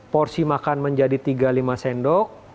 porsi makan menjadi tiga puluh lima sendok